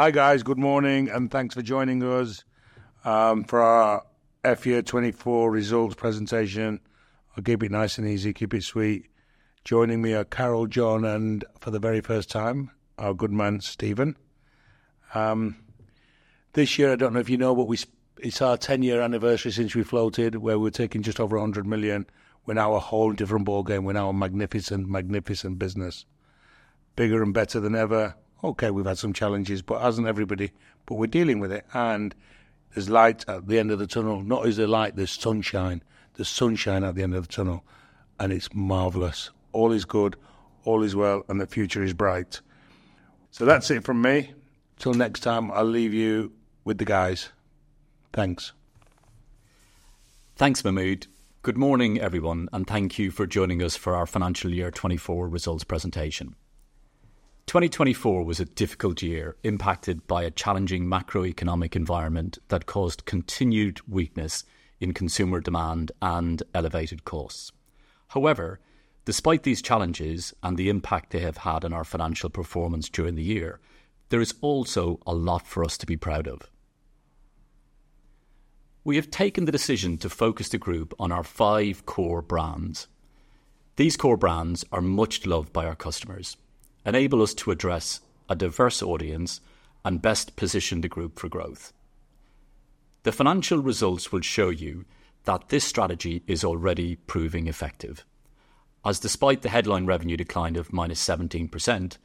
Hi guys, good morning, and thanks for joining us for our FY2024 results presentation. I'll keep it nice and easy, keep it sweet. Joining me are Carol, John, and, for the very first time, our good man, Stephen. This year I don't know if you know, but it's our 10-year anniversary since we floated, where we were taking just over 100 million. We're now a whole different ballgame. We're now a magnificent, magnificent business. Bigger and better than ever. Okay, we've had some challenges, but hasn't everybody? But we're dealing with it. And there's light at the end of the tunnel. Not as the light, there's sunshine. There's sunshine at the end of the tunnel, and it's marvelous. All is good, all is well, and the future is bright. So that's it from me. Till next time, I'll leave you with the guys. Thanks. Thanks, Mahmud. Good morning, everyone, and thank you for joining us for our financial year 2024 results presentation. 2024 was a difficult year, impacted by a challenging macroeconomic environment that caused continued weakness in consumer demand and elevated costs. However, despite these challenges and the impact they have had on our financial performance during the year, there is also a lot for us to be proud of. We have taken the decision to focus the group on our five core brands. These core brands are much loved by our customers, enable us to address a diverse audience, and best position the group for growth. The financial results will show you that this strategy is already proving effective. And despite the headline revenue decline of -17%,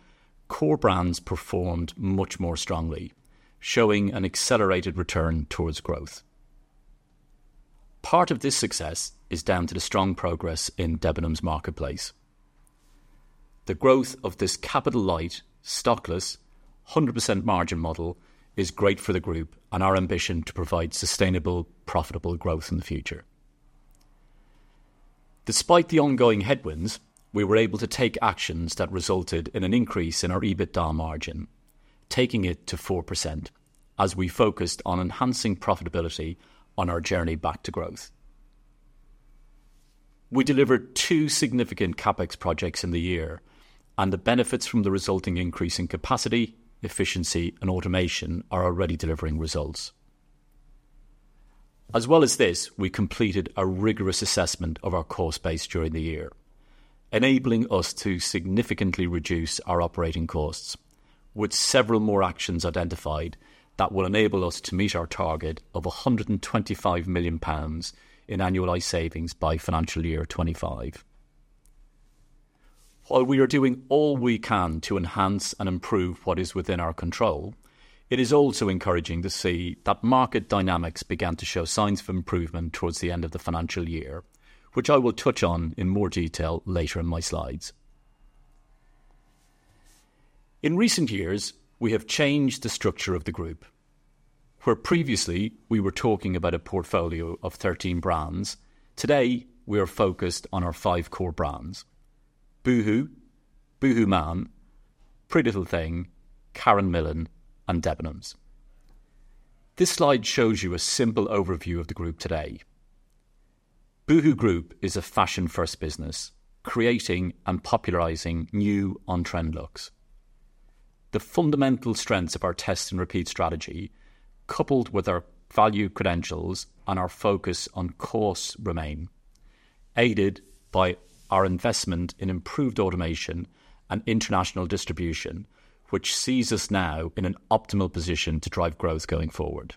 core brands performed much more strongly, showing an accelerated return towards growth. Part of this success is down to the strong progress in Debenhams marketplace. The growth of this capital light, stockless, 100% margin model is great for the group and our ambition to provide sustainable, profitable growth in the future. Despite the ongoing headwinds, we were able to take actions that resulted in an increase in our EBITDA margin, taking it to 4%, as we focused on enhancing profitability on our journey back to growth. We delivered two significant CapEx projects in the year, and the benefits from the resulting increase in capacity, efficiency, and automation are already delivering results. As well as this, we completed a rigorous assessment of our cost base during the year, enabling us to significantly reduce our operating costs, with several more actions identified that will enable us to meet our target of 125 million pounds in annualized savings by financial year 2025. While we are doing all we can to enhance and improve what is within our control, it is also encouraging to see that market dynamics began to show signs of improvement towards the end of the financial year, which I will touch on in more detail later in my slides. In recent years, we have changed the structure of the group. Where previously we were talking about a portfolio of 13 brands, today we are focused on our five core brands: boohoo, boohooMAN, PrettyLittleThing, Karen Millen, and Debenhams. This slide shows you a simple overview of the group today. boohoo Group is a fashion-first business, creating and popularizing new on-trend looks. The fundamental strengths of our test-and-repeat strategy, coupled with our value credentials and our focus on costs, remain, aided by our investment in improved automation and international distribution, which sees us now in an optimal position to drive growth going forward.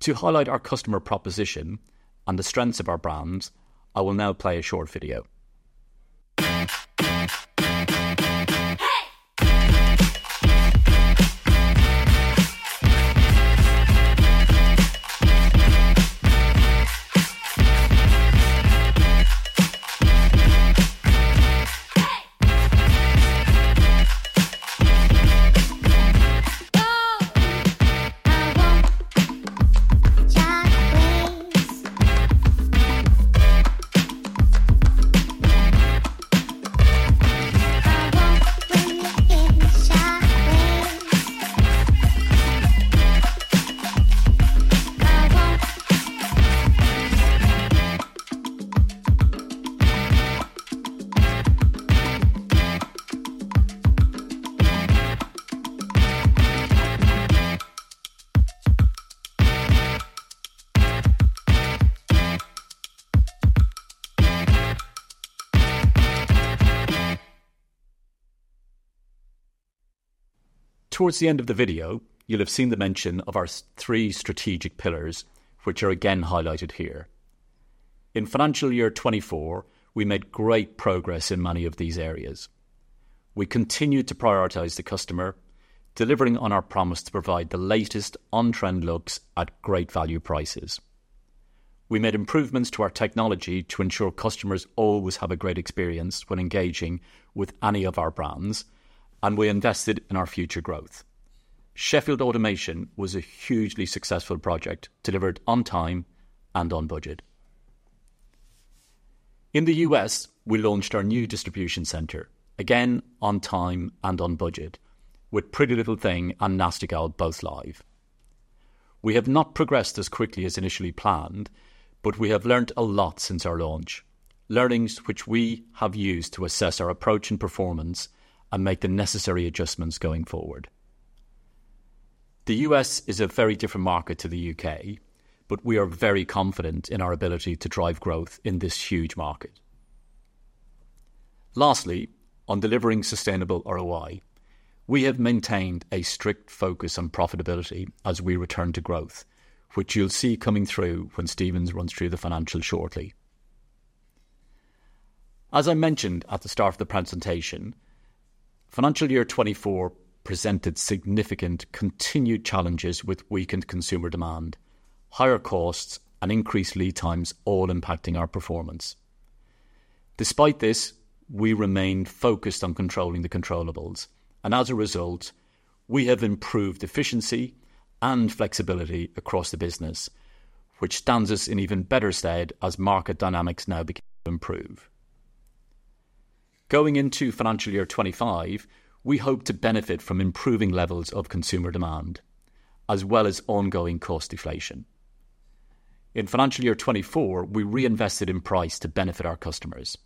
To highlight our customer proposition and the strengths of our brands, I will now play a short video. Towards the end of the video, you'll have seen the mention of our three strategic pillars, which are again highlighted here. In financial year 2024, we made great progress in many of these areas. We continued to prioritize the customer, delivering on our promise to provide the latest on-trend looks at great value prices. We made improvements to our technology to ensure customers always have a great experience when engaging with any of our brands, and we invested in our future growth. Sheffield Automation was a hugely successful project, delivered on time and on budget. In the U.S., we launched our new distribution center, again on time and on budget, with PrettyLittleThing and Nasty Gal both live. We have not progressed as quickly as initially planned, but we have learned a lot since our launch, learnings which we have used to assess our approach and performance and make the necessary adjustments going forward. The U.S. is a very different market to the U.K., but we are very confident in our ability to drive growth in this huge market. Lastly, on delivering sustainable ROI, we have maintained a strict focus on profitability as we return to growth, which you'll see coming through when Stephen runs through the financial shortly. As I mentioned at the start of the presentation, financial year 2024 presented significant continued challenges with weakened consumer demand, higher costs, and increased lead times, all impacting our performance. Despite this, we remained focused on controlling the controllables. And as a result, we have improved efficiency and flexibility across the business, which stands us in even better stead as market dynamics now begin to improve. Going into financial year 2025, we hope to benefit from improving levels of consumer demand as well as ongoing cost deflation. In financial year 2024, we reinvested in price to benefit our customers.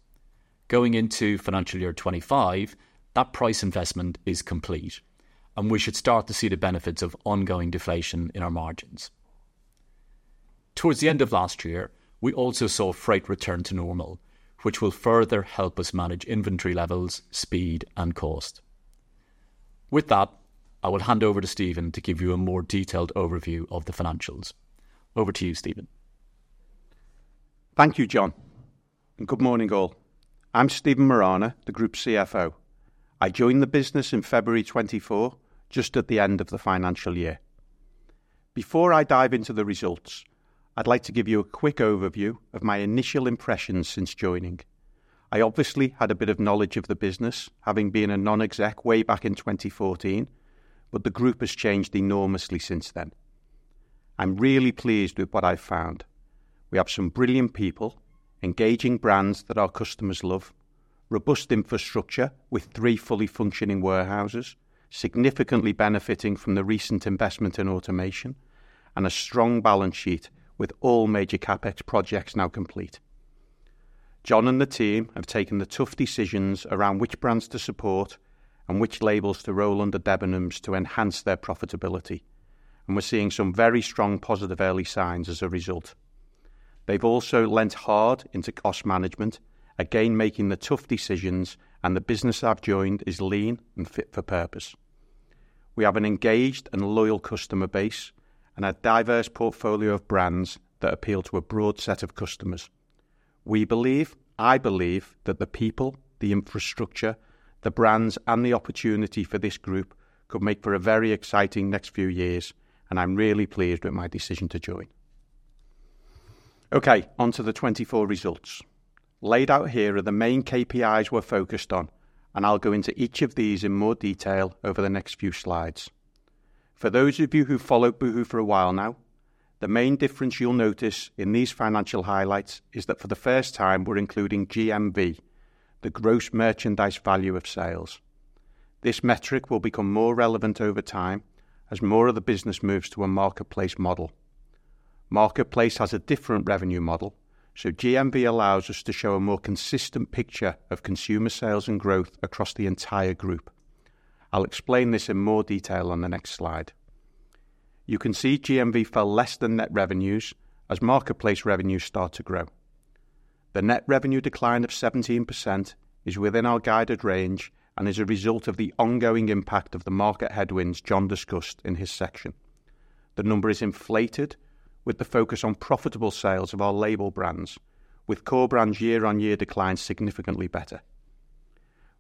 Going into financial year 2025, that price investment is complete, and we should start to see the benefits of ongoing deflation in our margins. Towards the end of last year, we also saw freight return to normal, which will further help us manage inventory levels, speed, and cost. With that, I will hand over to Stephen to give you a more detailed overview of the financials. Over to you, Stephen. Thank you, John, and good morning, all. I'm Stephen Morana, the Group CFO. I joined the business in February 2024, just at the end of the financial year. Before I dive into the results, I'd like to give you a quick overview of my initial impressions since joining. I obviously had a bit of knowledge of the business, having been a non-exec way back in 2014, but the group has changed enormously since then. I'm really pleased with what I've found. We have some brilliant people, engaging brands that our customers love, robust infrastructure with three fully functioning warehouses, significantly benefiting from the recent investment in automation, and a strong balance sheet with all major CapEx projects now complete. John and the team have taken the tough decisions around which brands to support and which labels to roll under Debenhams to enhance their profitability, and we're seeing some very strong positive early signs as a result. They've also leaned hard into cost management, again making the tough decisions, and the business I've joined is lean and fit for purpose. We have an engaged and loyal customer base and a diverse portfolio of brands that appeal to a broad set of customers. We believe, I believe, that the people, the infrastructure, the brands, and the opportunity for this group could make for a very exciting next few years, and I'm really pleased with my decision to join. Okay, onto the 2024 results. Laid out here are the main KPIs we're focused on, and I'll go into each of these in more detail over the next few slides. For those of you who've followed boohoo for a while now, the main difference you'll notice in these financial highlights is that for the first time, we're including GMV, the Gross Merchandise Value of Sales. This metric will become more relevant over time as more of the business moves to a marketplace model. Marketplace has a different revenue model, so GMV allows us to show a more consistent picture of consumer sales and growth across the entire group. I'll explain this in more detail on the next slide. You can see GMV fell less than net revenues as marketplace revenues start to grow. The net revenue decline of 17% is within our guided range and is a result of the ongoing impact of the market headwinds John discussed in his section. The number is inflated with the focus on profitable sales of our label brands, with core brands' year-on-year decline significantly better.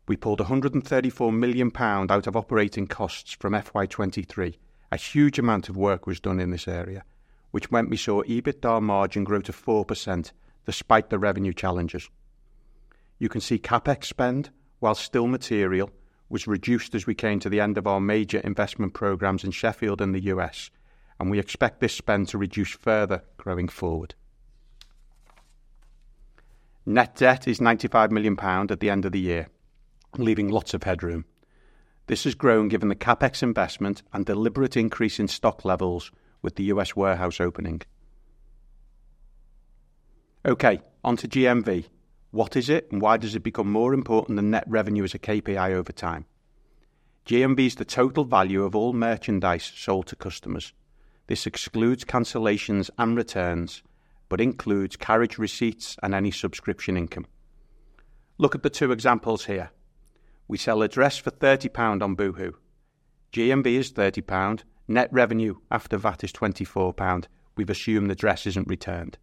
We pulled 134 million pound out of operating costs from FY 2023. A huge amount of work was done in this area, which meant we saw EBITDA margin grow to 4% despite the revenue challenges. You can see CapEx spend, while still material, was reduced as we came to the end of our major investment programs in Sheffield and the U.S., and we expect this spend to reduce further growing forward. Net debt is 95 million pound at the end of the year, leaving lots of headroom. This has grown given the CapEx investment and deliberate increase in stock levels with the U.S. warehouse opening. Okay, onto GMV. What is it, and why does it become more important than net revenue as a KPI over time? GMV is the total value of all merchandise sold to customers. This excludes cancellations and returns, but includes carriage receipts and any subscription income. Look at the two examples here. We sell a dress for 30 pound on boohoo. GMV is 30 pound. Net revenue after VAT is 24 pound. We've assumed the dress isn't returned.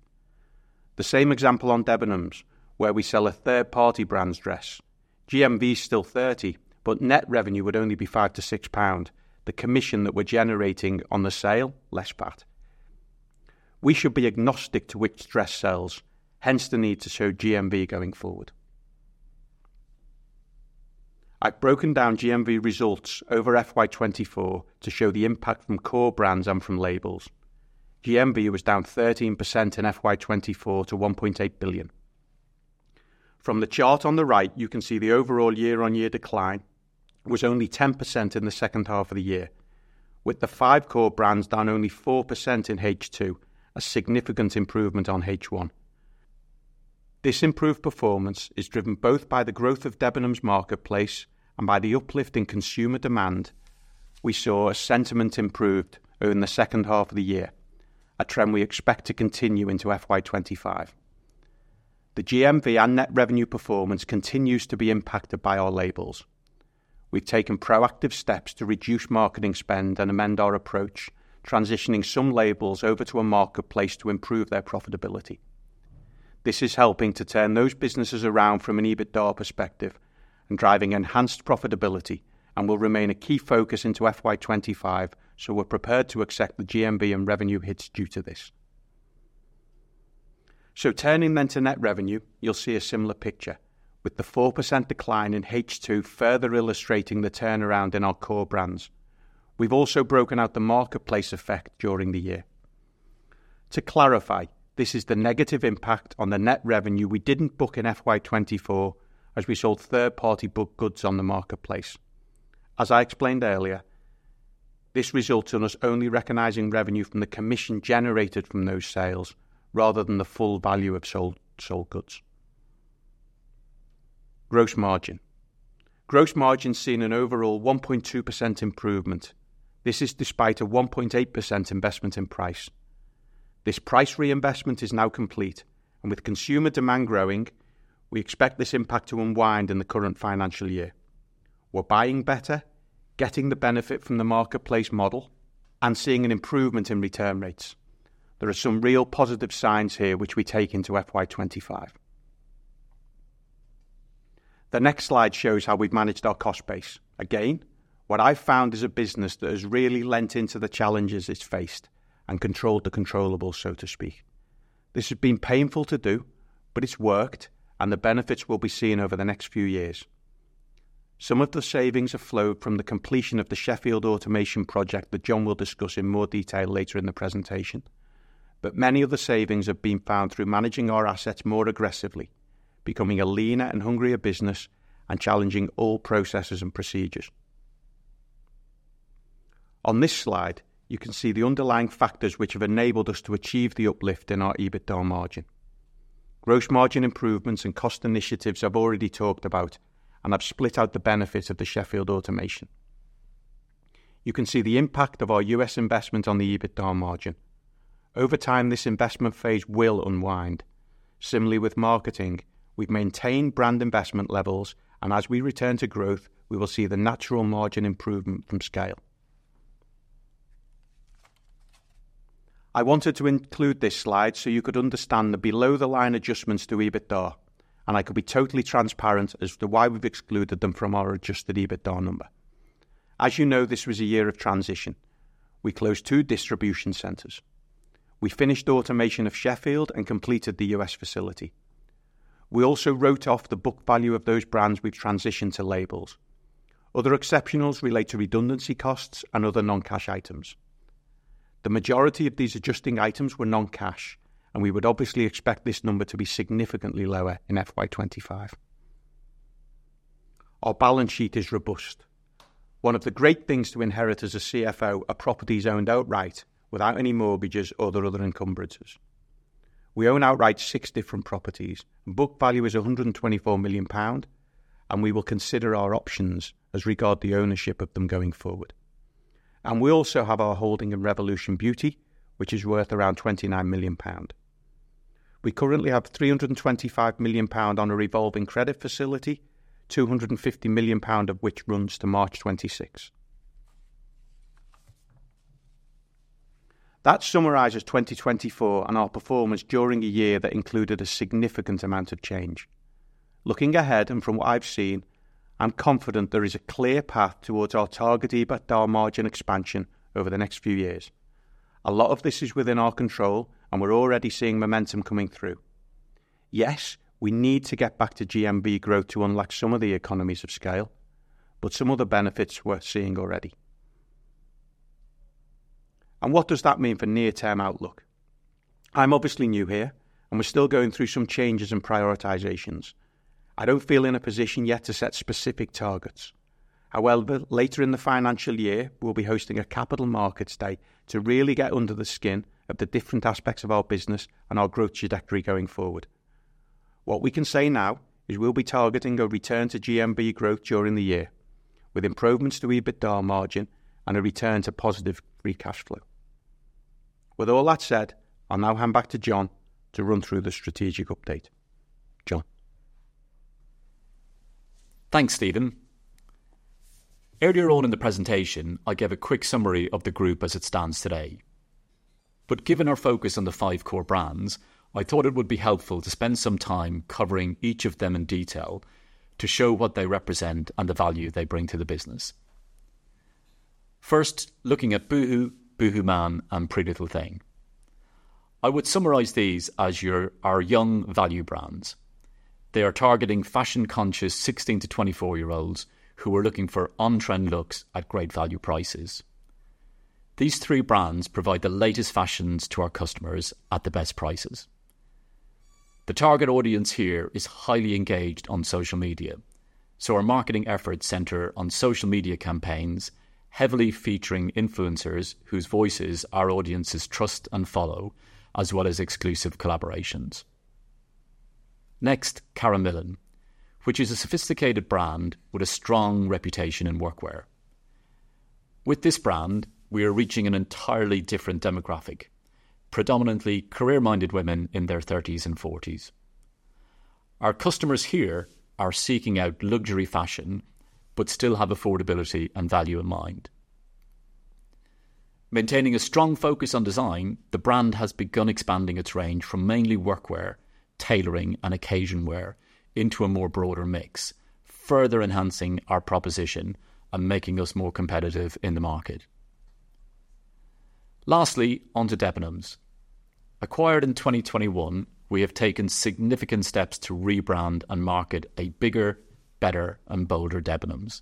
The same example on Debenhams, where we sell a third-party brand's dress. GMV is still 30, but net revenue would only be 5-6 pound, the commission that we're generating on the sale, less VAT. We should be agnostic to which dress sells, hence the need to show GMV going forward. I've broken down GMV results over FY2024 to show the impact from core brands and from labels. GMV was down 13% in FY2024 to 1.8 billion. From the chart on the right, you can see the overall year-on-year decline, which was only 10% in the second half of the year, with the five core brands down only 4% in H2, a significant improvement on H1. This improved performance is driven both by the growth of Debenhams marketplace and by the uplift in consumer demand. We saw a sentiment improved over the second half of the year, a trend we expect to continue into FY2025. The GMV and net revenue performance continues to be impacted by our labels. We've taken proactive steps to reduce marketing spend and amend our approach, transitioning some labels over to a marketplace to improve their profitability. This is helping to turn those businesses around from an EBITDA perspective and driving enhanced profitability and will remain a key focus into FY 2025, so we're prepared to accept the GMV and revenue hits due to this. So turning then to net revenue, you'll see a similar picture, with the 4% decline in H2 further illustrating the turnaround in our core brands. We've also broken out the marketplace effect during the year. To clarify, this is the negative impact on the net revenue we didn't book in FY24 as we sold third-party goods on the marketplace. As I explained earlier, this results in us only recognizing revenue from the commission generated from those sales rather than the full value of sold goods. Gross margin. Gross margin seeing an overall 1.2% improvement. This is despite a 1.8% investment in price. This price reinvestment is now complete, and with consumer demand growing, we expect this impact to unwind in the current financial year. We're buying better, getting the benefit from the marketplace model, and seeing an improvement in return rates. There are some real positive signs here which we take into FY2025. The next slide shows how we've managed our cost base. Again, what I've found is a business that has really lent into the challenges it's faced and controlled the controllables, so to speak. This has been painful to do, but it's worked, and the benefits will be seen over the next few years. Some of the savings have flowed from the completion of the Sheffield Automation project that John will discuss in more detail later in the presentation, but many of the savings have been found through managing our assets more aggressively, becoming a leaner and hungrier business, and challenging all processes and procedures. On this slide, you can see the underlying factors which have enabled us to achieve the uplift in our EBITDA margin. Gross margin improvements and cost initiatives I've already talked about and have split out the benefits of the Sheffield Automation. You can see the impact of our U.S. investment on the EBITDA margin. Over time, this investment phase will unwind. Similarly, with marketing, we've maintained brand investment levels, and as we return to growth, we will see the natural margin improvement from scale. I wanted to include this slide so you could understand the below-the-line adjustments to EBITDA, and I could be totally transparent as to why we've excluded them from our adjusted EBITDA number. As you know, this was a year of transition. We closed 2 distribution centers. We finished automation of Sheffield and completed the U.S. facility. We also wrote off the book value of those brands we've transitioned to labels. Other exceptionals relate to redundancy costs and other non-cash items. The majority of these adjusting items were non-cash, and we would obviously expect this number to be significantly lower in FY25. Our balance sheet is robust. One of the great things to inherit as a CFO are properties owned outright without any mortgages or their other encumbrances. We own outright six different properties, and book value is 124 million pound, and we will consider our options as regards the ownership of them going forward. We also have our holding in Revolution Beauty, which is worth around 29 million pound. We currently have 325 million pound on a revolving credit facility, 250 million pound of which runs to March 2026. That summarises 2024 and our performance during a year that included a significant amount of change. Looking ahead and from what I've seen, I'm confident there is a clear path towards our target EBITDA margin expansion over the next few years. A lot of this is within our control, and we're already seeing momentum coming through. Yes, we need to get back to GMV growth to unlock some of the economies of scale, but some other benefits we're seeing already. What does that mean for near-term outlook? I'm obviously new here, and we're still going through some changes and prioritizations. I don't feel in a position yet to set specific targets. However, later in the financial year, we'll be hosting a capital markets day to really get under the skin of the different aspects of our business and our growth trajectory going forward. What we can say now is we'll be targeting a return to GMV growth during the year with improvements to EBITDA margin and a return to positive free cash flow. With all that said, I'll now hand back to John to run through the strategic update. John. Thanks, Stephen. Earlier on in the presentation, I gave a quick summary of the group as it stands today. But given our focus on the five core brands, I thought it would be helpful to spend some time covering each of them in detail to show what they represent and the value they bring to the business. First, looking at Boohoo, Boohoo Man, and Pretty Little Thing. I would summarize these as our young value brands. They are targeting fashion-conscious 16-24-year-olds who are looking for on-trend looks at great value prices. These three brands provide the latest fashions to our customers at the best prices. The target audience here is highly engaged on social media, so our marketing efforts center on social media campaigns heavily featuring influencers whose voices our audiences trust and follow, as well as exclusive collaborations. Next, Karen Millen, which is a sophisticated brand with a strong reputation in workwear. With this brand, we are reaching an entirely different demographic, predominantly career-minded women in their 30s and 40s. Our customers here are seeking out luxury fashion but still have affordability and value in mind. Maintaining a strong focus on design, the brand has begun expanding its range from mainly workwear, tailoring, and occasion wear into a more broader mix, further enhancing our proposition and making us more competitive in the market. Lastly, onto Debenhams. Acquired in 2021, we have taken significant steps to rebrand and market a bigger, better, and bolder Debenhams.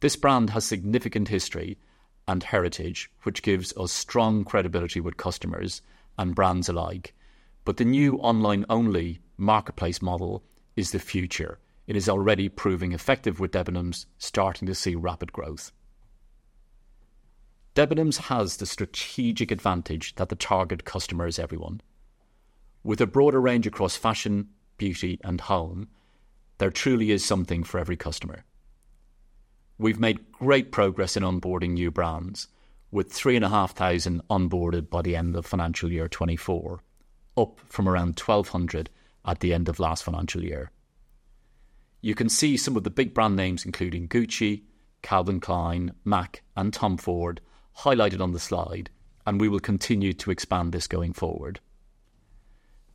This brand has significant history and heritage, which gives us strong credibility with customers and brands alike. But the new online-only marketplace model is the future. It is already proving effective with Debenhams, starting to see rapid growth. Debenhams has the strategic advantage that the target customer is everyone. With a broader range across fashion, beauty, and home, there truly is something for every customer. We've made great progress in onboarding new brands, with 3,500 onboarded by the end of financial year 2024, up from around 1,200 at the end of last financial year. You can see some of the big brand names, including Gucci, Calvin Klein, MAC, and Tom Ford, highlighted on the slide, and we will continue to expand this going forward.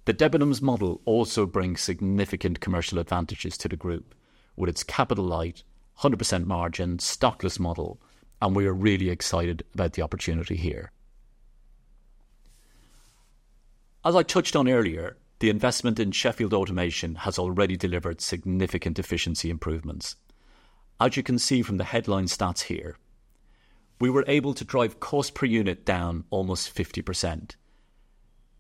The Debenhams model also brings significant commercial advantages to the group with its capital light, 100% margin, stockless model, and we are really excited about the opportunity here. As I touched on earlier, the investment in Sheffield automation has already delivered significant efficiency improvements. As you can see from the headline stats here, we were able to drive cost per unit down almost 50%,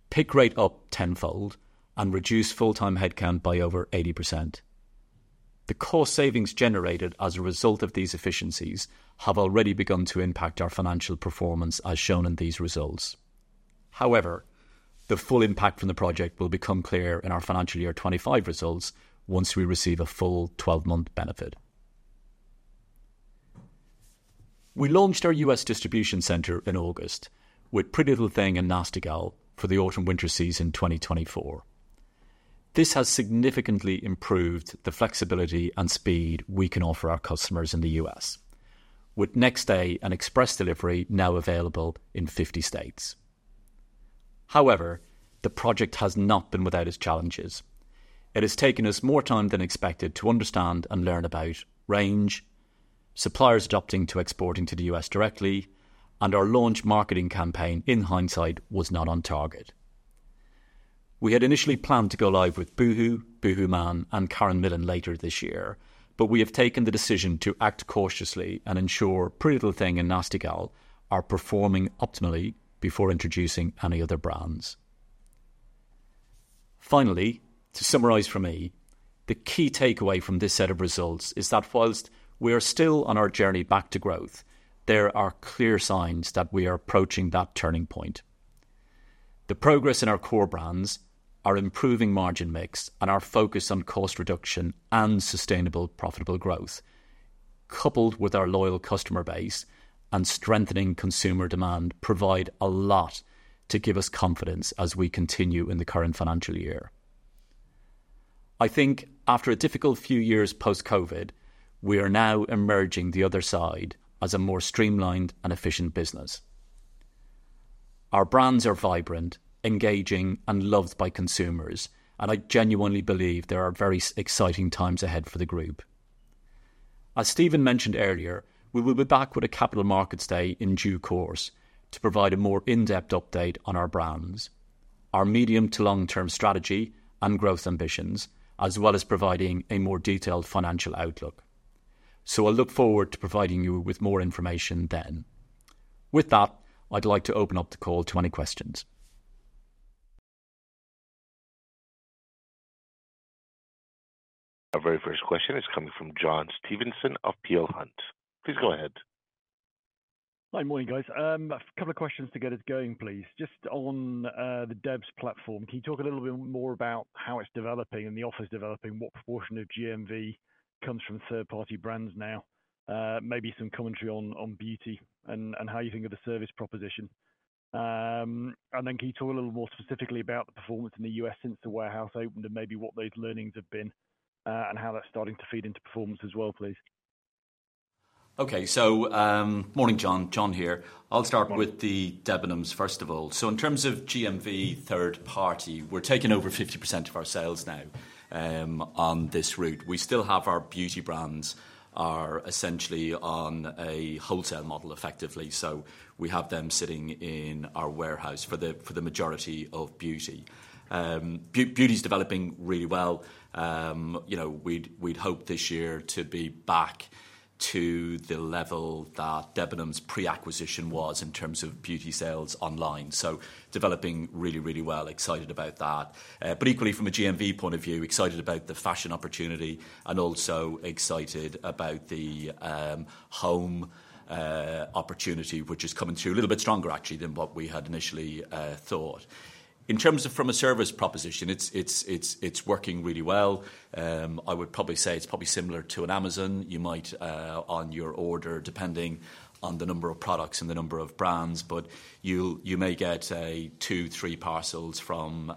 pick rate up tenfold, and reduce full-time headcount by over 80%. The cost savings generated as a result of these efficiencies have already begun to impact our financial performance, as shown in these results. However, the full impact from the project will become clear in our financial year 2025 results once we receive a full 12-month benefit. We launched our U.S. distribution centre in August with PrettyLittleThing and Nasty Gal for the autumn-winter season 2024. This has significantly improved the flexibility and speed we can offer our customers in the U.S., with Next Day and Express Delivery now available in 50 states. However, the project has not been without its challenges. It has taken us more time than expected to understand and learn about range, suppliers adopting to export into the U.S. directly, and our launch marketing campaign, in hindsight, was not on target. We had initially planned to go live with boohoo, boohooMAN, and Karen Millen later this year, but we have taken the decision to act cautiously and ensure PrettyLittleThing and Nasty Gal are performing optimally before introducing any other brands. Finally, to summarize for me, the key takeaway from this set of results is that while we are still on our journey back to growth, there are clear signs that we are approaching that turning point. The progress in our core brands, our improving margin mix, and our focus on cost reduction and sustainable profitable growth, coupled with our loyal customer base and strengthening consumer demand, provide a lot to give us confidence as we continue in the current financial year. I think after a difficult few years post-COVID, we are now emerging the other side as a more streamlined and efficient business. Our brands are vibrant, engaging, and loved by consumers, and I genuinely believe there are very exciting times ahead for the group. As Stephen mentioned earlier, we will be back with a capital markets day in due course to provide a more in-depth update on our brands, our medium to long-term strategy and growth ambitions, as well as providing a more detailed financial outlook. I'll look forward to providing you with more information then. With that, I'd like to open up the call to any questions. Our very first question is coming from John Stevenson of Peel Hunt. Please go ahead. Hi, morning, guys. A couple of questions to get us going, please. Just on the Debenhams platform, can you talk a little bit more about how it's developing and the offer developing, what proportion of GMV comes from third-party brands now, maybe some commentary on beauty and how you think of the service proposition? And then can you talk a little more specifically about the performance in the U.S. since the warehouse opened and maybe what those learnings have been and how that's starting to feed into performance as well, please? Okay, so morning, John. John here. I'll start with the Debenhams, first of all. So in terms of GMV third-party, we're taking over 50% of our sales now on this route. We still have our beauty brands essentially on a wholesale model, effectively. So we have them sitting in our warehouse for the majority of beauty. Beauty's developing really well. We'd hope this year to be back to the level that Debenhams pre-acquisition was in terms of beauty sales online. So developing really, really well. Excited about that. But equally, from a GMV point of view, excited about the fashion opportunity and also excited about the home opportunity, which is coming through a little bit stronger, actually, than what we had initially thought. In terms of from a service proposition, it's working really well. I would probably say it's probably similar to an Amazon. You might, on your order, depending on the number of products and the number of brands, but you may get two, three parcels from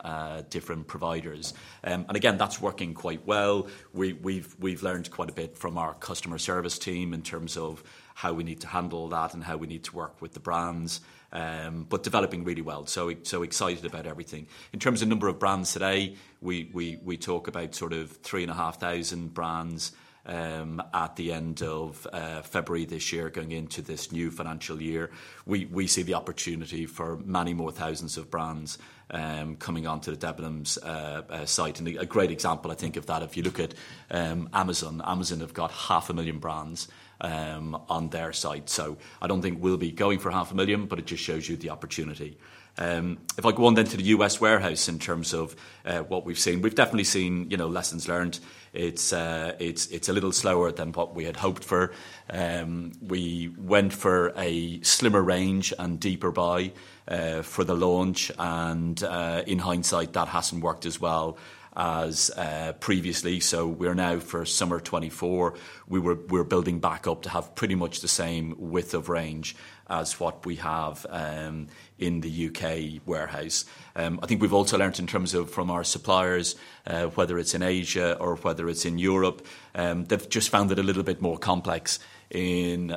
different providers. And again, that's working quite well. We've learned quite a bit from our customer service team in terms of how we need to handle that and how we need to work with the brands, but developing really well. So excited about everything. In terms of number of brands today, we talk about sort of 3,500 brands at the end of February this year going into this new financial year. We see the opportunity for many more thousands of brands coming onto the Debenhams site. And a great example, I think, of that, if you look at Amazon, Amazon have got 500,000 brands on their site. So I don't think we'll be going for 500,000, but it just shows you the opportunity. If I go on then to the U.S. warehouse in terms of what we've seen, we've definitely seen lessons learned. It's a little slower than what we had hoped for. We went for a slimmer range and deeper buy for the launch, and in hindsight, that hasn't worked as well as previously. So we're now for summer 2024, we're building back up to have pretty much the same width of range as what we have in the U.K. warehouse. I think we've also learnt in terms of from our suppliers, whether it's in Asia or whether it's in Europe, they've just found it a little bit more complex in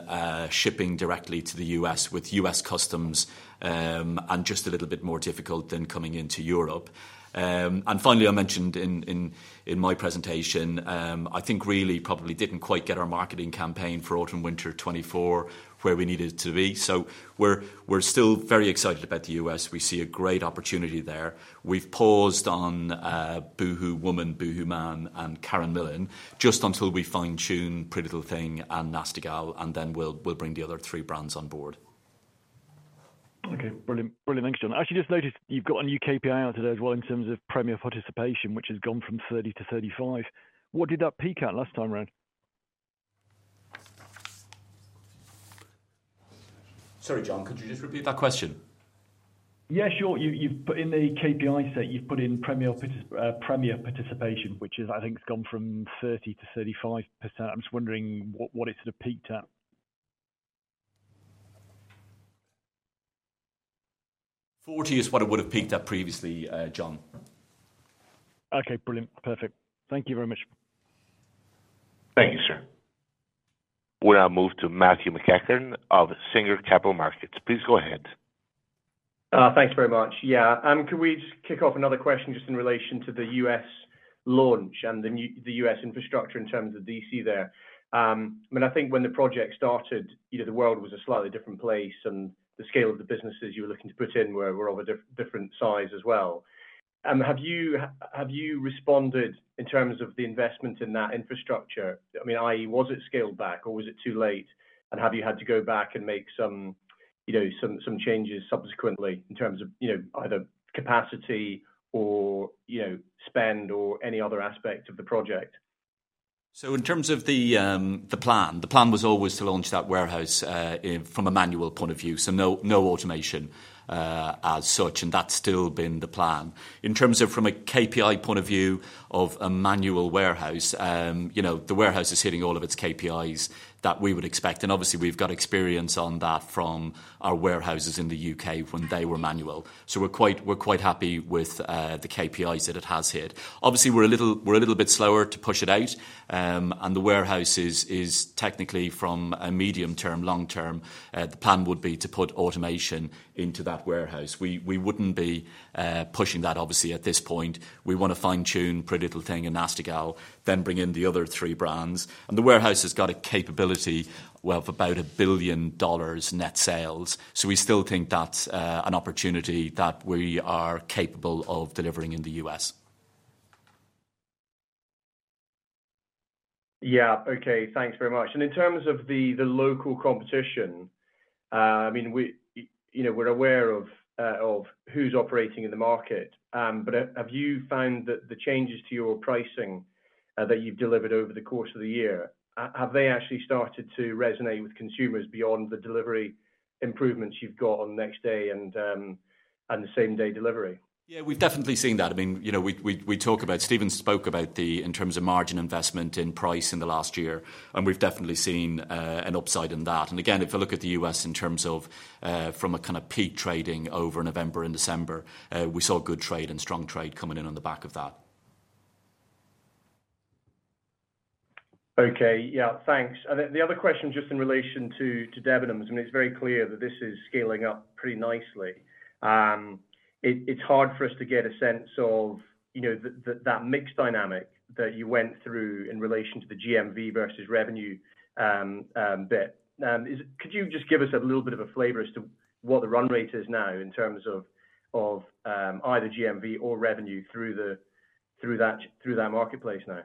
shipping directly to the U.S. with U.S. customs and just a little bit more difficult than coming into Europe. Finally, I mentioned in my presentation, I think really probably didn't quite get our marketing campaign for autumn-winter 2024 where we needed it to be. We're still very excited about the U.S. We see a great opportunity there. We've paused on boohooMAN, boohooMAN, and Karen Millen just until we fine-tune PrettyLittleThing and Nasty Gal, and then we'll bring the other three brands on board. Okay, brilliant. Brilliant, thanks, John. I actually just noticed you've got a new KPI out today as well in terms of Premier participation, which has gone from 30-35. What did that peak at last time, John? Sorry, John, could you just repeat that question? Yeah, sure. In the KPI set, you've put in Premier participation, which I think's gone from 30%-35%. I'm just wondering what it sort of peaked at? 40 is what it would have peaked at previously, John. Okay, brilliant. Perfect. Thank you very much. Thank you, sir. We now move to Matthew McEachran of Singer Capital Markets. Please go ahead. Thanks very much. Yeah. Can we just kick off another question just in relation to the U.S. launch and the U.S. infrastructure in terms of DC there? I mean, I think when the project started, the world was a slightly different place, and the scale of the businesses you were looking to put in were of a different size as well. Have you responded in terms of the investment in that infrastructure? I mean, i.e., was it scaled back or was it too late? And have you had to go back and make some changes subsequently in terms of either capacity or spend or any other aspect of the project? So in terms of the plan, the plan was always to launch that warehouse from a manual point of view. So no automation as such, and that's still been the plan. In terms of from a KPI point of view of a manual warehouse, the warehouse is hitting all of its KPIs that we would expect. And obviously, we've got experience on that from our warehouses in the U.K. when they were manual. So we're quite happy with the KPIs that it has hit. Obviously, we're a little bit slower to push it out, and the warehouse is technically from a medium-term, long-term, the plan would be to put automation into that warehouse. We wouldn't be pushing that, obviously, at this point. We want to fine-tune PrettyLittleThing and Nasty Gal, then bring in the other three brands. The warehouse has got a capability of about $1 billion net sales. We still think that's an opportunity that we are capable of delivering in the U.S. Yeah. Okay. Thanks very much. And in terms of the local competition, I mean, we're aware of who's operating in the market. But have you found that the changes to your pricing that you've delivered over the course of the year, have they actually started to resonate with consumers beyond the delivery improvements you've got on Next Day and the same-day delivery? Yeah, we've definitely seen that. I mean, we talk about Stephen spoke about the in terms of margin investment in price in the last year, and we've definitely seen an upside in that. And again, if I look at the US in terms of from a kind of peak trading over November and December, we saw good trade and strong trade coming in on the back of that. Okay. Yeah. Thanks. And the other question just in relation to Debenhams, I mean, it's very clear that this is scaling up pretty nicely. It's hard for us to get a sense of that mixed dynamic that you went through in relation to the GMV versus revenue bit. Could you just give us a little bit of a flavor as to what the run rate is now in terms of either GMV or revenue through that marketplace now?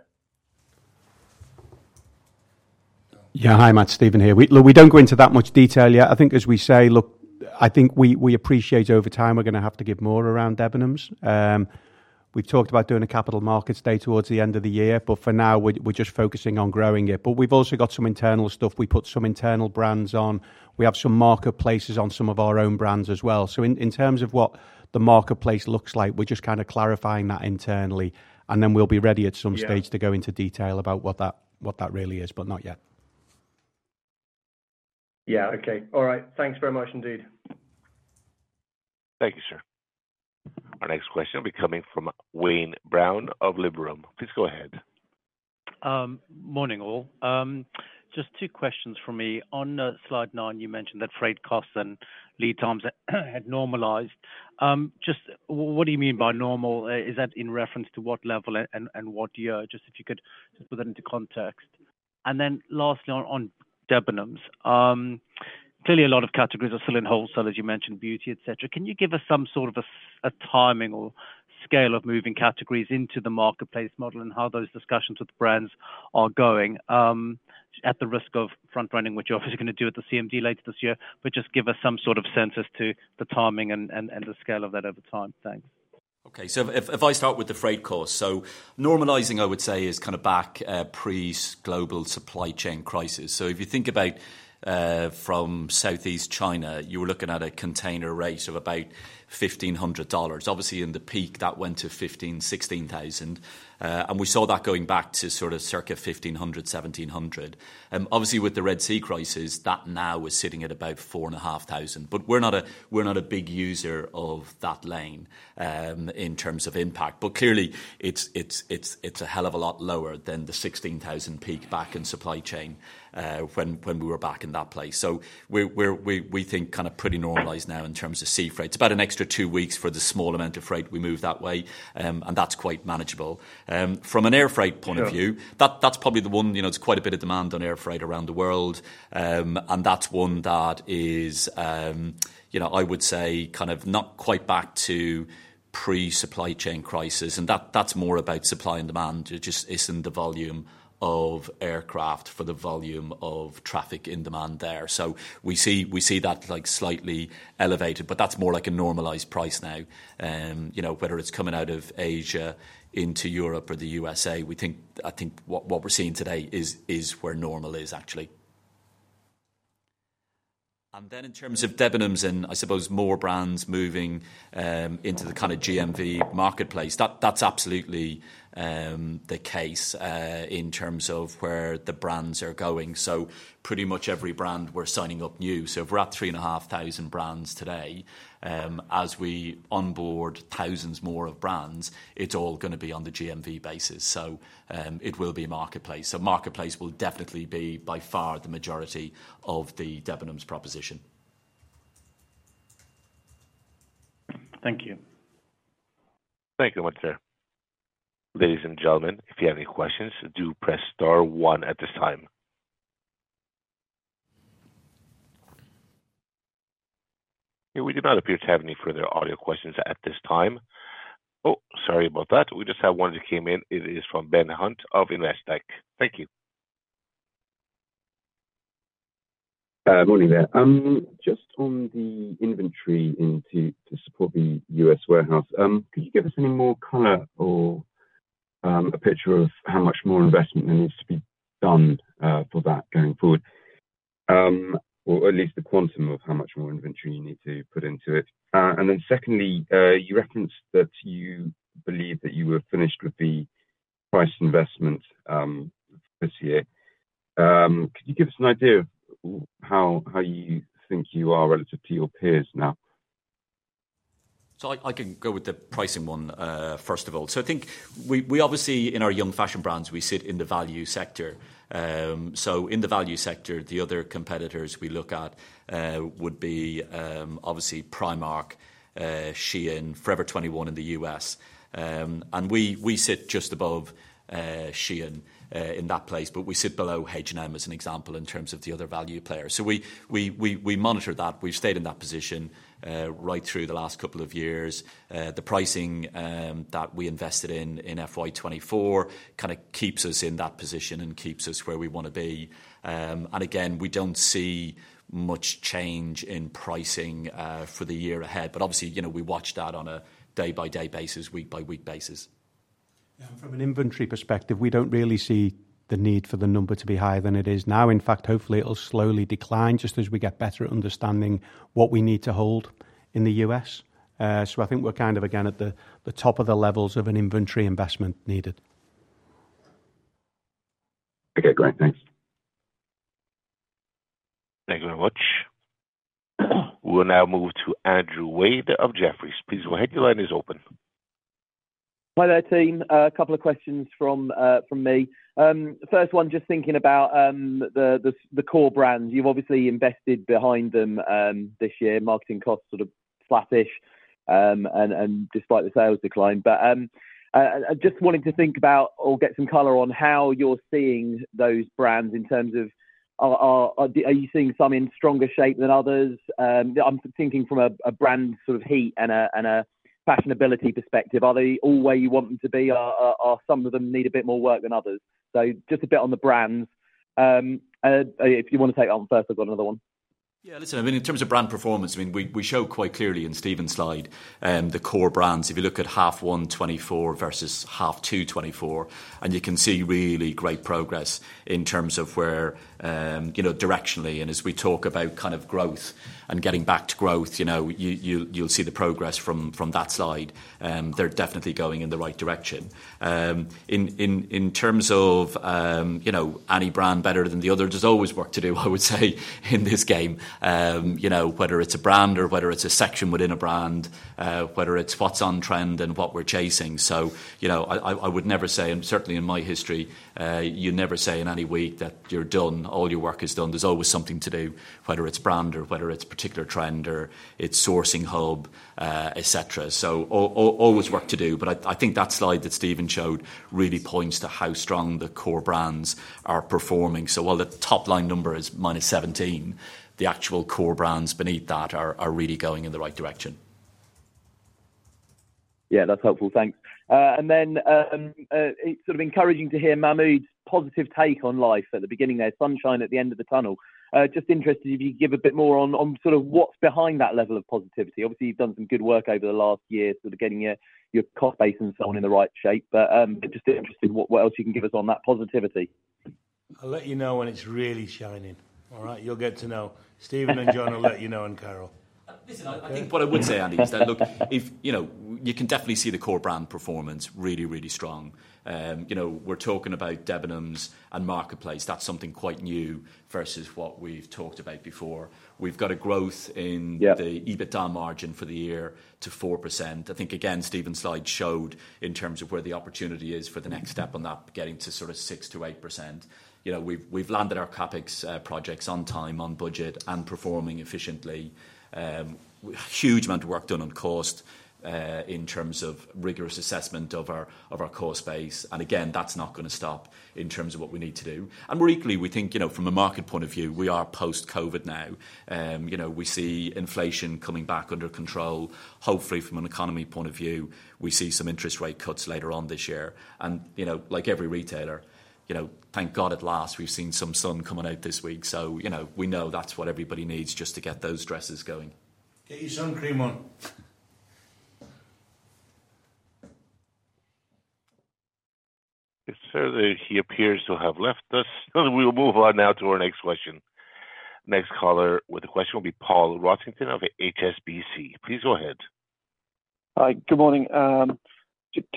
Yeah. Hi, Matt. Stephen here. Look, we don't go into that much detail yet. I think as we say, look, I think we appreciate over time we're going to have to give more around Debenhams. We've talked about doing a capital markets day towards the end of the year, but for now, we're just focusing on growing it. We've also got some internal stuff. We put some internal brands on. We have some marketplaces on some of our own brands as well. In terms of what the marketplace looks like, we're just kind of clarifying that internally, and then we'll be ready at some stage to go into detail about what that really is, but not yet. Yeah. Okay. All right. Thanks very much, indeed. Thank you, sir. Our next question will be coming from Wayne Brown of Liberum. Please go ahead. Morning, all. Just two questions for me. On slide nine, you mentioned that freight costs and lead times had normalized. Just what do you mean by normal? Is that in reference to what level and what year? Just if you could just put that into context. And then lastly, on Debenhams, clearly a lot of categories are still in wholesale, as you mentioned, beauty, etc. Can you give us some sort of a timing or scale of moving categories into the marketplace model and how those discussions with brands are going at the risk of front-running, which you're obviously going to do at the CMD later this year, but just give us some sort of sense as to the timing and the scale of that over time. Thanks. Okay. So if I start with the freight costs, so normalizing, I would say, is kind of back pre-global supply chain crisis. So if you think about from Southeast China, you were looking at a container rate of about $1,500. Obviously, in the peak, that went to $15,000-$16,000. And we saw that going back to sort of circa $1,500-$1,700. Obviously, with the Red Sea crisis, that now is sitting at about $4,500. But we're not a big user of that lane in terms of impact. But clearly, it's a hell of a lot lower than the $16,000 peak back in supply chain when we were back in that place. So we think kind of pretty normalized now in terms of sea freight. It's about an extra two weeks for the small amount of freight we move that way, and that's quite manageable. From an air freight point of view, that's probably the one there's quite a bit of demand on air freight around the world. That's one that is, I would say, kind of not quite back to pre-supply chain crisis. That's more about supply and demand. It just isn't the volume of aircraft for the volume of traffic in demand there. So we see that slightly elevated, but that's more like a normalized price now, whether it's coming out of Asia into Europe or the U.S.A. I think what we're seeing today is where normal is, actually. Then in terms of Debenhams and I suppose more brands moving into the kind of GMV marketplace, that's absolutely the case in terms of where the brands are going. So pretty much every brand, we're signing up new. So if we're at 3,500 brands today, as we onboard thousands more of brands, it's all going to be on the GMV basis. So it will be a marketplace. So marketplace will definitely be by far the majority of the Debenhams proposition. Thank you. Thank you very much, sir. Ladies and gentlemen, if you have any questions, do press star 1 at this time. We do not appear to have any further audio questions at this time. Oh, sorry about that. We just have one that came in. It is from Ben Hunt of Investec. Thank you. Morning there. Just on the inventory to support the U.S. warehouse, could you give us any more color or a picture of how much more investment there needs to be done for that going forward, or at least the quantum of how much more inventory you need to put into it? And then secondly, you referenced that you believe that you were finished with the price investment this year. Could you give us an idea of how you think you are relative to your peers now? So I can go with the pricing one, first of all. So I think we obviously, in our young fashion brands, we sit in the value sector. So in the value sector, the other competitors we look at would be, obviously, Primark, SHEIN, Forever 21 in the U.S. And we sit just above SHEIN in that place, but we sit below H&M as an example in terms of the other value players. So we monitor that. We've stayed in that position right through the last couple of years. The pricing that we invested in FY2024 kind of keeps us in that position and keeps us where we want to be. And again, we don't see much change in pricing for the year ahead. But obviously, we watch that on a day-by-day basis, week-by-week basis. From an inventory perspective, we don't really see the need for the number to be higher than it is now. In fact, hopefully, it'll slowly decline just as we get better at understanding what we need to hold in the U.S. So I think we're kind of, again, at the top of the levels of an inventory investment needed. Okay. Great. Thanks. Thank you very much. We'll now move to Andrew Wade of Jefferies. Please go ahead. Your line is open. Hi, there, team. A couple of questions from me. First one, just thinking about the core brands. You've obviously invested behind them this year. Marketing costs sort of flattish despite the sales decline. But just wanting to think about or get some color on how you're seeing those brands in terms of are you seeing some in stronger shape than others? I'm thinking from a brand sort of heat and a fashionability perspective. Are they all where you want them to be? Are some of them need a bit more work than others? So just a bit on the brands. If you want to take that one first, I've got another one. Yeah. Listen, I mean, in terms of brand performance, I mean, we show quite clearly in Stephen's slide the core brands. If you look at H1 2024 versus H2 2024, and you can see really great progress in terms of where directionally. And as we talk about kind of growth and getting back to growth, you'll see the progress from that slide. They're definitely going in the right direction. In terms of any brand better than the other, there's always work to do, I would say, in this game, whether it's a brand or whether it's a section within a brand, whether it's what's on trend and what we're chasing. So I would never say and certainly in my history, you never say in any week that you're done. All your work is done. There's always something to do, whether it's brand or whether it's particular trend or it's sourcing hub, etc. So always work to do. But I think that slide that Stephen showed really points to how strong the core brands are performing. So while the top-line number is -17%, the actual core brands beneath that are really going in the right direction. Yeah. That's helpful. Thanks. And then sort of encouraging to hear Mahmud's positive take on life at the beginning there, sunshine at the end of the tunnel. Just interested if you could give a bit more on sort of what's behind that level of positivity. Obviously, you've done some good work over the last year, sort of getting your cost base and so on in the right shape. But just interested what else you can give us on that positivity. I'll let you know when it's really shining. All right? You'll get to know. Stephen and John will let you know and Carol. Listen, I think what I would say, Andy, is that look, you can definitely see the core brand performance really, really strong. We're talking about Debenhams and marketplace. That's something quite new versus what we've talked about before. We've got a growth in the EBITDA margin for the year to 4%. I think, again, Stephen's slide showed in terms of where the opportunity is for the next step on that, getting to sort of 6%-8%. We've landed our CapEx projects on time, on budget, and performing efficiently. Huge amount of work done on cost in terms of rigorous assessment of our cost base. And again, that's not going to stop in terms of what we need to do. And weekly, we think from a market point of view, we are post-COVID now. We see inflation coming back under control. Hopefully, from an economy point of view, we see some interest rate cuts later on this year. And like every retailer, thank God at last we've seen some sun coming out this week. So we know that's what everybody needs just to get those dresses going. Get your sun cream on. Yes, sir. He appears to have left us. We will move on now to our next question. Next caller with a question will be Paul Rossington of HSBC. Please go ahead. Hi. Good morning.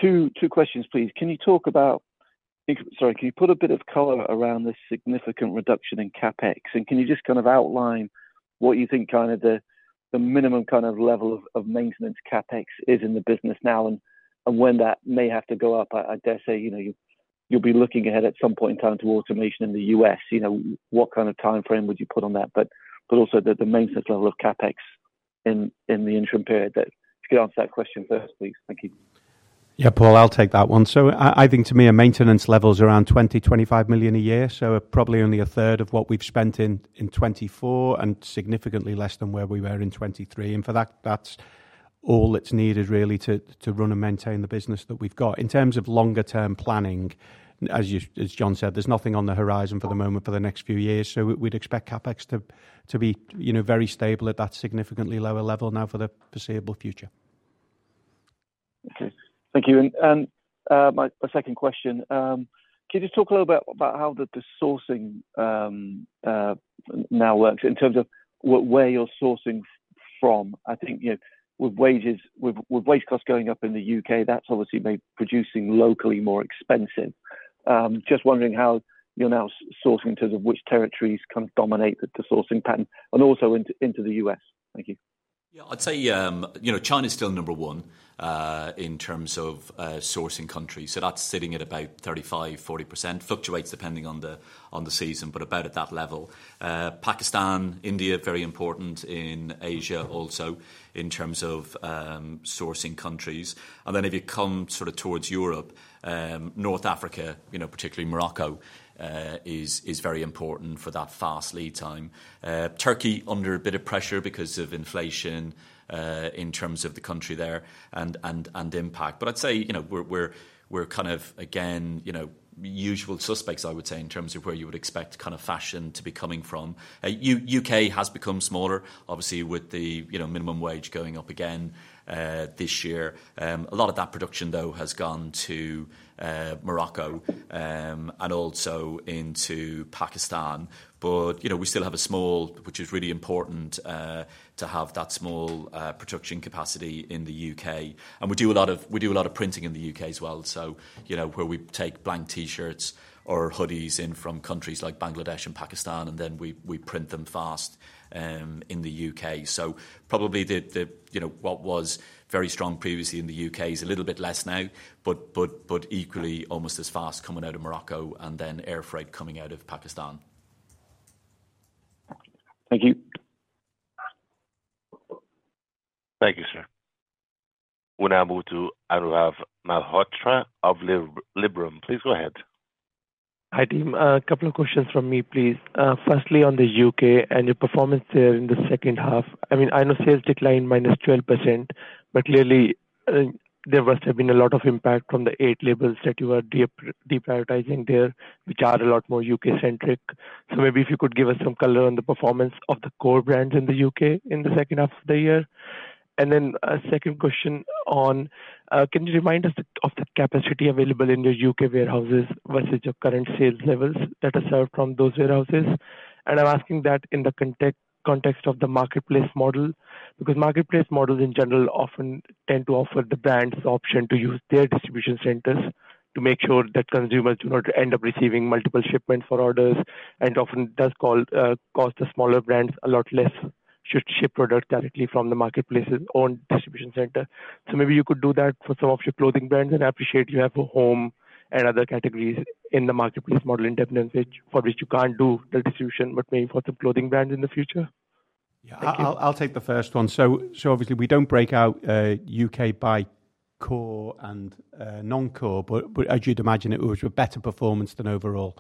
Two questions, please. Can you talk about sorry, can you put a bit of color around this significant reduction in CapEx? And can you just kind of outline what you think kind of the minimum kind of level of maintenance CapEx is in the business now and when that may have to go up? I dare say you'll be looking ahead at some point in time to automation in the U.S. What kind of timeframe would you put on that? But also the maintenance level of CapEx in the interim period. If you could answer that question first, please. Thank you. Yeah, Paul, I'll take that one. So I think to me, our maintenance level's around 20-25 million a year. So probably only a third of what we've spent in 2024 and significantly less than where we were in 2023. And for that, that's all that's needed, really, to run and maintain the business that we've got. In terms of longer-term planning, as John said, there's nothing on the horizon for the moment for the next few years. So we'd expect CapEx to be very stable at that significantly lower level now for the foreseeable future. Okay. Thank you. My second question, can you just talk a little bit about how the sourcing now works in terms of where you're sourcing from? I think with wage costs going up in the U.K., that's obviously made producing locally more expensive. Just wondering how you're now sourcing in terms of which territories kind of dominate the sourcing pattern and also into the U.S. Thank you. Yeah. I'd say China's still number one in terms of sourcing countries. So that's sitting at about 35%-40%. Fluctuates depending on the season, but about at that level. Pakistan, India, very important in Asia also in terms of sourcing countries. And then if you come sort of towards Europe, North Africa, particularly Morocco, is very important for that fast lead time. Turkey under a bit of pressure because of inflation in terms of the country there and impact. But I'd say we're kind of, again, usual suspects, I would say, in terms of where you would expect kind of fashion to be coming from. U.K. has become smaller, obviously, with the minimum wage going up again this year. A lot of that production, though, has gone to Morocco and also into Pakistan. But we still have a small, which is really important to have that small production capacity in the U.K. And we do a lot of printing in the U.K. as well, so where we take blank T-shirts or hoodies in from countries like Bangladesh and Pakistan, and then we print them fast in the U.K. So probably what was very strong previously in the U.K. is a little bit less now, but equally almost as fast coming out of Morocco and then air freight coming out of Pakistan. Thank you. Thank you, sir. We'll now move to. Anubhav Malhotra of Liberum. Please go ahead. Hi, team. A couple of questions from me, please. Firstly, on the U.K. and your performance there in the second half. I mean, I know sales decline -12%, but clearly, there must have been a lot of impact from the eight labels that you are deprioritizing there, which are a lot more U.K.-centric. So maybe if you could give us some color on the performance of the core brands in the U.K. in the second half of the year. And then a second question on can you remind us of the capacity available in your U.K. warehouses versus your current sales levels that are served from those warehouses? I'm asking that in the context of the marketplace model because marketplace models, in general, often tend to offer the brands the option to use their distribution centres to make sure that consumers do not end up receiving multiple shipments for orders and often does cost the smaller brands a lot less should ship products directly from the marketplace's own distribution centre. So maybe you could do that for some of your clothing brands. And I appreciate you have home and other categories in the marketplace model in Debenhams for which you can't do the distribution, but maybe for some clothing brands in the future. Yeah. I'll take the first one. So obviously, we don't break out U.K. by core and non-core, but as you'd imagine, it was a better performance than overall.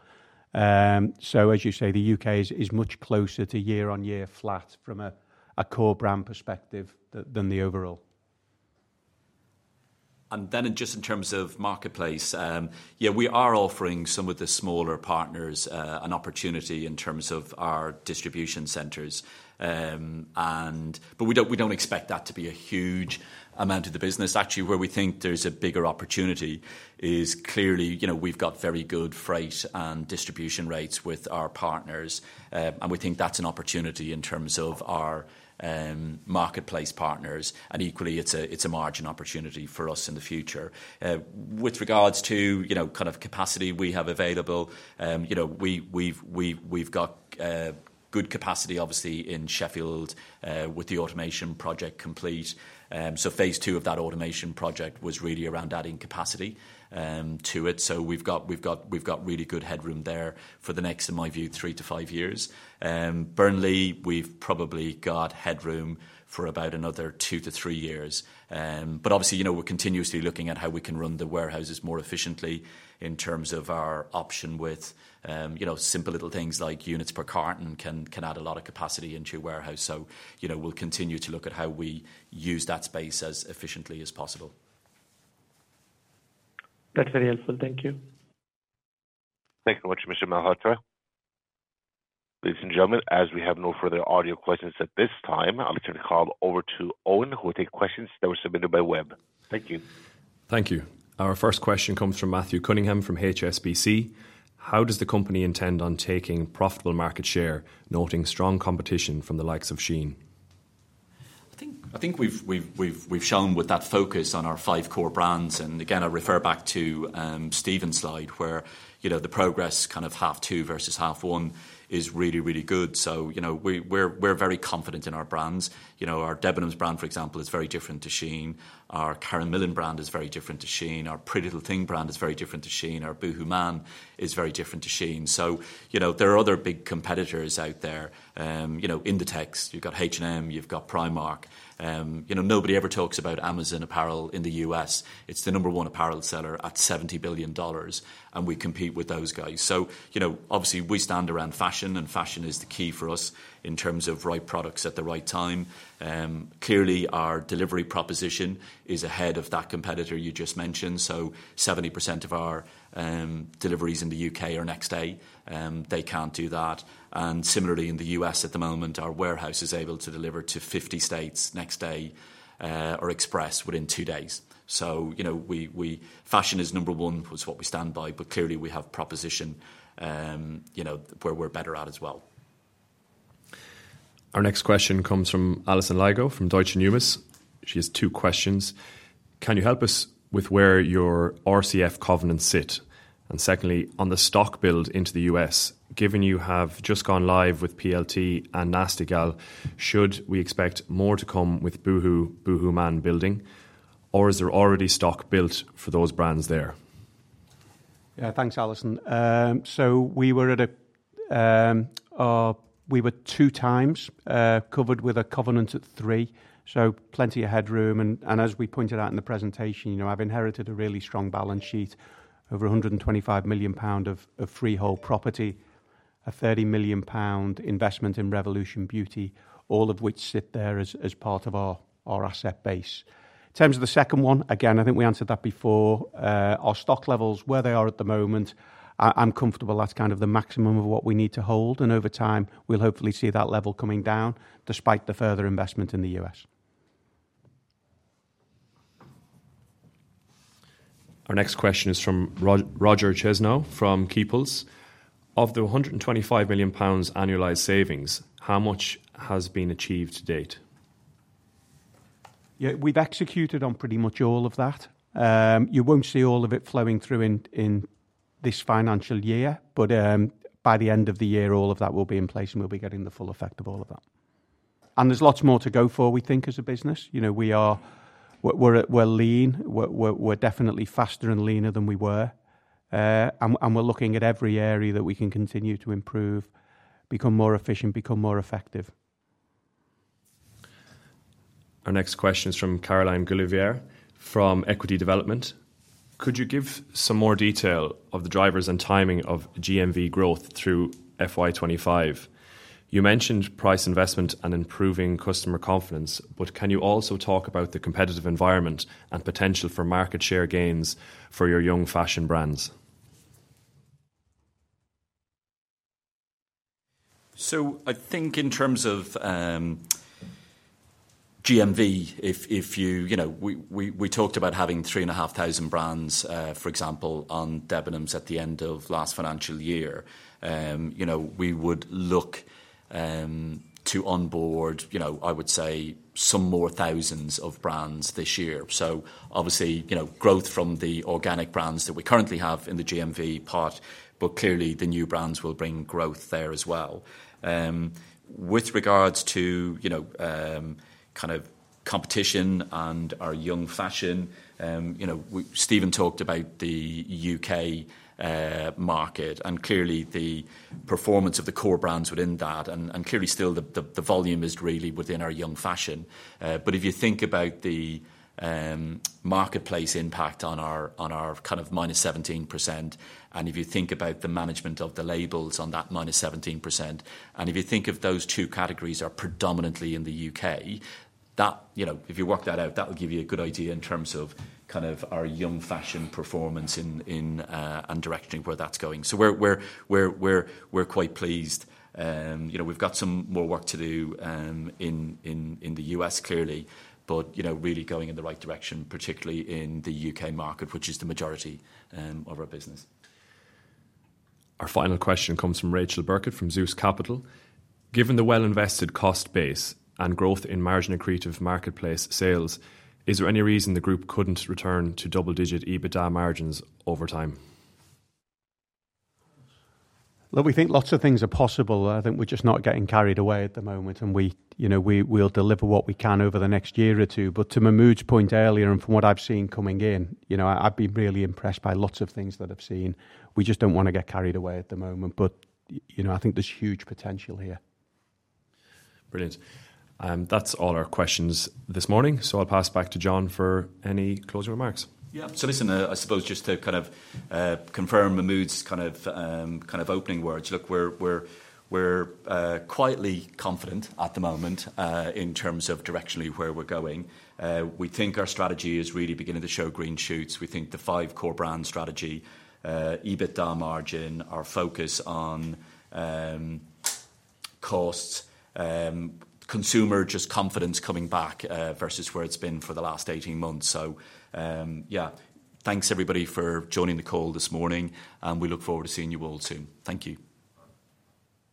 So as you say, the U.K. is much closer to year-on-year flat from a core brand perspective than the overall. And then just in terms of marketplace, yeah, we are offering some of the smaller partners an opportunity in terms of our distribution centres. But we don't expect that to be a huge amount of the business. Actually, where we think there's a bigger opportunity is clearly we've got very good freight and distribution rates with our partners. And we think that's an opportunity in terms of our marketplace partners. And equally, it's a margin opportunity for us in the future. With regards to kind of capacity we have available, we've got good capacity, obviously, in Sheffield with the automation project complete. So phase two of that automation project was really around adding capacity to it. So we've got really good headroom there for the next, in my view, 3-5 years. Burnley, we've probably got headroom for about another 2-3 years. But obviously, we're continuously looking at how we can run the warehouses more efficiently in terms of our option with simple little things like units per carton can add a lot of capacity into your warehouse. So we'll continue to look at how we use that space as efficiently as possible. That's very helpful. Thank you. Thank you very much, Mr. Malhotra. Ladies and gentlemen, as we have no further audio questions at this time, I'll turn the call over to Owen who will take questions that were submitted by web. Thank you. Thank you. Our first question comes from Matthew Cunningham from HSBC. How does the company intend on taking profitable market share, noting strong competition from the likes of SHEIN? I think we've shone with that focus on our five core brands. Again, I refer back to Stephen's slide where the progress kind of half two versus half one is really, really good. So we're very confident in our brands. Our Debenhams brand, for example, is very different to SHEIN. Our Karen Millen brand is very different to SHEIN. Our Pretty Little Thing brand is very different to SHEIN. Our Boohoo Man is very different to SHEIN. So there are other big competitors out there. Inditex, you've got H&M, you've got Primark. Nobody ever talks about Amazon apparel in the U.S. It's the number one apparel seller at $70 billion. And we compete with those guys. So obviously, we stand around fashion. And fashion is the key for us in terms of right products at the right time. Clearly, our delivery proposition is ahead of that competitor you just mentioned. So 70% of our deliveries in the U.K. are next day. They can't do that. And similarly, in the U.S. at the moment, our warehouse is able to deliver to 50 states next day or express within two days. So fashion is number one was what we stand by. But clearly, we have proposition where we're better at as well. Our next question comes from Alice Lynch from Deutsche Numis. She has two questions. Can you help us with where your RCF covenants sit? And secondly, on the stock build into the U.S., given you have just gone live with PLT and Nasty Gal, should we expect more to come with boohoo, boohooMAN, or is there already stock built for those brands there? Yeah. Thanks, Alison. So we were two times covered with a covenant at three. So plenty of headroom. And as we pointed out in the presentation, I've inherited a really strong balance sheet, over 125 million pound of freehold property, a 30 million pound investment in Revolution Beauty, all of which sit there as part of our asset base. In terms of the second one, again, I think we answered that before, our stock levels, where they are at the moment, I'm comfortable that's kind of the maximum of what we need to hold. And over time, we'll hopefully see that level coming down despite the further investment in the US. Our next question is from Roger Chesno from Keeples. Of the 125 million pounds annualized savings, how much has been achieved to date? Yeah. We've executed on pretty much all of that. You won't see all of it flowing through in this financial year, but by the end of the year, all of that will be in place and we'll be getting the full effect of all of that. And there's lots more to go for, we think, as a business. We're lean. We're definitely faster and leaner than we were. And we're looking at every area that we can continue to improve, become more efficient, become more effective. Our next question is from Caroline Gulliver from Equity Development. Could you give some more detail of the drivers and timing of GMV growth through FY2025? You mentioned price investment and improving customer confidence, but can you also talk about the competitive environment and potential for market share gains for your young fashion brands? So I think in terms of GMV, if we talked about having 3,500 brands, for example, on Debenhams at the end of last financial year. We would look to onboard, I would say, some more thousands of brands this year. So obviously, growth from the organic brands that we currently have in the GMV part, but clearly, the new brands will bring growth there as well. With regards to kind of competition and our young fashion, Stephen talked about the UK market and clearly, the performance of the core brands within that. And clearly, still, the volume is really within our young fashion. But if you think about the marketplace impact on our kind of -17%, and if you think about the management of the labels on that -17%, and if you think of those two categories are predominantly in the U.K., if you work that out, that will give you a good idea in terms of kind of our young fashion performance and directioning where that's going. So we're quite pleased. We've got some more work to do in the U.S., clearly, but really going in the right direction, particularly in the U.K. market, which is the majority of our business. Our final question comes from Rachel Birkett from Zeus Capital. Given the well-invested cost base and growth in margin and creative marketplace sales, is there any reason the group couldn't return to double-digit EBITDA margins over time? Look, we think lots of things are possible. I think we're just not getting carried away at the moment. We'll deliver what we can over the next year or two. To Mahmud's point earlier and from what I've seen coming in, I've been really impressed by lots of things that I've seen. We just don't want to get carried away at the moment. I think there's huge potential here. Brilliant. That's all our questions this morning. So I'll pass back to John for any closing remarks. Yeah. So listen, I suppose just to kind of confirm Mahmud's kind of opening words. Look, we're quietly confident at the moment in terms of directionally where we're going. We think our strategy is really beginning to show green shoots. We think the five core brand strategy, EBITDA margin, our focus on costs, consumer just confidence coming back versus where it's been for the last 18 months. So yeah, thanks, everybody, for joining the call this morning. And we look forward to seeing you all soon. Thank you.